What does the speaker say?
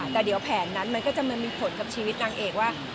แต่เดี๋ยวแผนนั้นมันก็จะมามีผลกับชีวิตนางเอกว่า